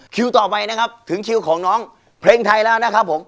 คิวต่อไปนะครับถึงคิวของน้องเพลงไทยแล้วนะครับผม